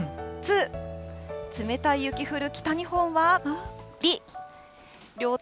つ、冷たい雪降る北日本は。